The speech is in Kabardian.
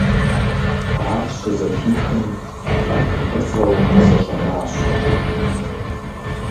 Ар щызэхихым, Ӏэлфӏыцӏэу къызэщӏэнащ.